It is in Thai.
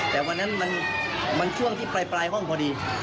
แต่วันนั้นมันช่วงที่ปลายห้องพอดี